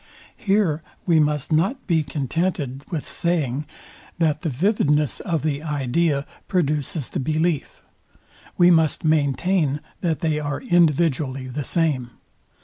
Here we most not be contented with saying, that the vividness of the idea produces the belief: We must maintain that they are individually the same.